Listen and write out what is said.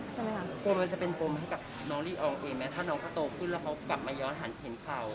กลัวมันจะเป็นปมให้กับน้องลีอองเองไหมถ้าน้องเขาโตขึ้นแล้วเขากลับมาย้อนหันเห็นเขา